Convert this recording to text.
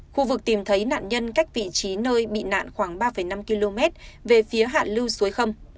khu vực tìm thấy nạn nhân cách vị trí nơi bị nạn khoảng ba năm km về phía hạ lưu suối khâm